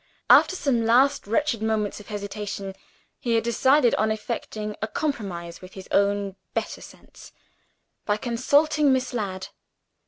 After some last wretched moments of hesitation, he had decided on effecting a compromise with his own better sense, by consulting Miss Ladd.